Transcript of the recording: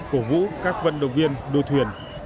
cổ vũ các vận động viên đua thuyền